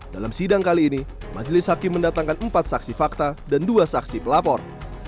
dalam sidang kali ini majelis hakim mendatangkan empat saksi fakta dan dua saksi pelapor